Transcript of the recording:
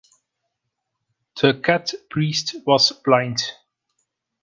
The Cat Priest was blind.